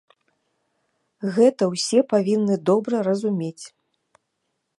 Гэта ўсе павінны добра разумець.